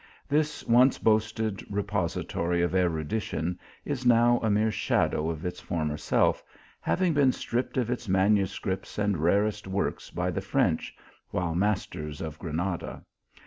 This once boasted repository of erudition is now a mere shadow of its former self, having been stripped of its manuscripts and rarest works by the French, while masters of Granada.